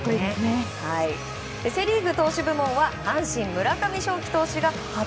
セ・リーグ投手部門は阪神、村上頌樹投手。